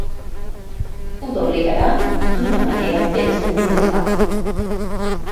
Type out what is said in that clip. Ho doblegarà d'una manera ben sentimental.